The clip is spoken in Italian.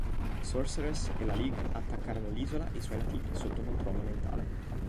Sorceress e la League attaccarono l'isola e i suoi nativi, sotto controllo mentale.